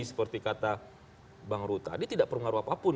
seperti kata bang ru tadi tidak berpengaruh apapun